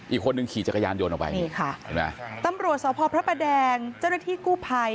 อีกคนหนึ่งขี่จักรยานยนต์ออกไปนี่ค่ะตำรวจสพระพระแดงจริงที่กู้ภัย